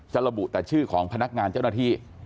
ระบุแต่ชื่อของพนักงานเจ้าหน้าที่